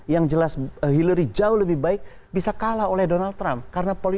yang jelas hillary jauh lebih baik bisa kalah oleh donald trump